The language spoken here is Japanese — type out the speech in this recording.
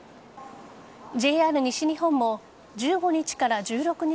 ＪＲ西日本も１５日から１６日